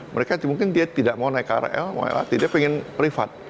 mereka mungkin dia tidak mau naik rl dia pengen privat